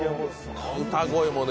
歌声もね。